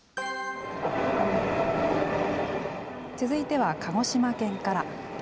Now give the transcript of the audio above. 続いては鹿児島県から。